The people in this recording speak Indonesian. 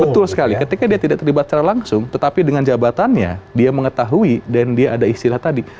betul sekali ketika dia tidak terlibat secara langsung tetapi dengan jabatannya dia mengetahui dan dia ada istilah tadi